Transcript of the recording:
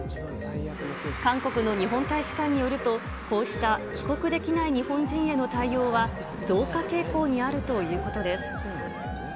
韓国の日本大使館によると、こうした帰国できない日本人への対応は、増加傾向にあるということです。